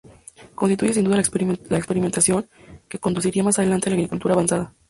Constituye sin duda la experimentación que conduciría más adelante a la agricultura avanzada.